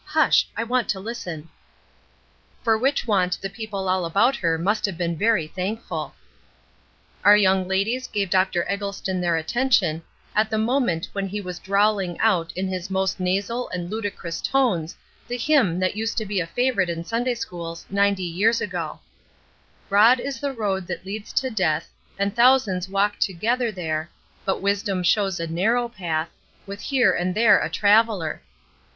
Hush, I want to listen." For which want the people all about her must have been very thankful. Our young ladies gave Dr. Eggleston their attention at the moment when he was drawling out in his most nasal and ludicrous tones the hymn that used to be a favorite in Sunday schools ninety years ago: "Broad is the road that leads to death, And thousands walk together there, But wisdom shows a narrow path, With here and there a traveler."